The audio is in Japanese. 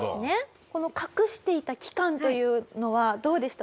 この隠していた期間というのはどうでした？